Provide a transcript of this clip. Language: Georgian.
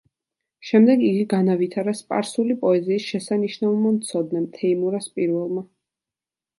შემდეგ იგი განავითარა სპარსული პოეზიის შესანიშნავმა მცოდნემ თეიმურაზ პირველმა.